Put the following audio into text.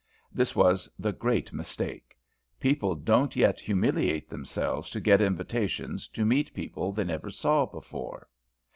This was the great mistake. People don't yet humiliate themselves to get invitations to meet people they never saw before.